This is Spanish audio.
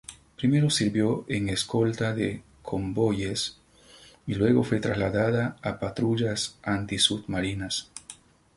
Primero sirvió en escolta de convoyes, y luego fue trasladada a patrullas antisubmarinas.